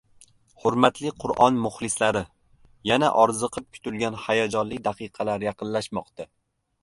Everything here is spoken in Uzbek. Hurmatli Qur’on muxlislari, yana orziqib kutilgan hayajonli daqiqalar yaqinlashmoqda.